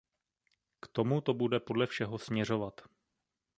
K tomu to bude podle všeho směřovat.